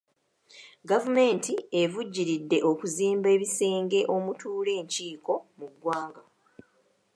Gavumenti evujjiridde okuzimba ebisenge omutuula enkiiko mu ggwanga.